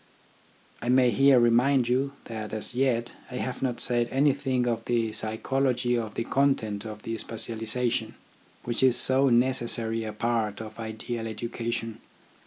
I may here remind you that as yet I have not said anything of the psychology or the content of the specialism, which is so necessary a part of an ideal education.